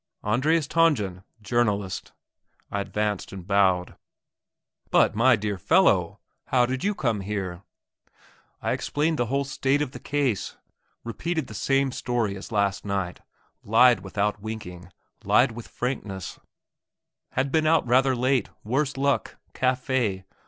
"Andreas Tangen journalist." I advanced and bowed. "But, my dear fellow, how did you come here?" I explained the whole state of the case, repeated the same story as last night, lied without winking, lied with frankness had been out rather late, worse luck ... café